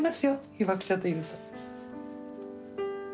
被爆者といると。